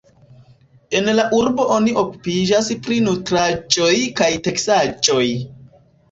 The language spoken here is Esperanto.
En la urbo oni okupiĝas pri nutraĵoj kaj teksaĵoj.